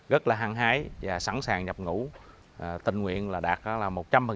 rất là hăng hái và sẵn sàng nhập ngũ tình nguyện đạt là một trăm linh